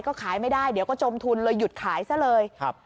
ก็ขายไม่ได้เดี๋ยวก็จมทุนเลยหยุดขายซะเลยครับ